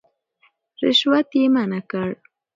رشوت يې منع کړ.